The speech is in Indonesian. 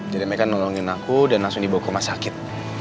jadi mereka nolongin aku dan langsung dibawa ke rumah sakit